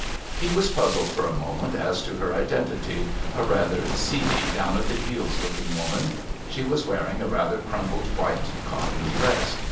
He was puzzled for a moment as to her identity, a rather seedy, down at heels looking woman. She was wearing a rather crumpled white cotton dress.